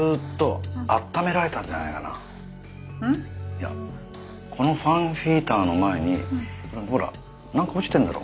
いやこのファンヒーターの前にほらなんか落ちてるだろ？